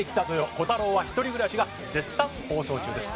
コタローは１人暮らし』が絶賛放送中です。